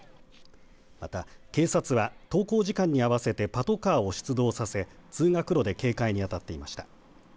また警察は登校時間に合わせてパトカーを出動させ通学路で警戒に当たっていました。